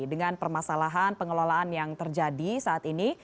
dengan permasalahan pengelolaan yang terjadi saat ini